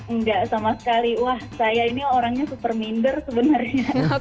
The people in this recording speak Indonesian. enggak sama sekali wah saya ini orangnya superminder sebenarnya